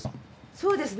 そうですね。